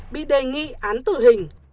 bị đề nghị án tử hình